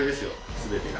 全てが。